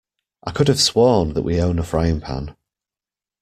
I could have sworn that we own a frying pan.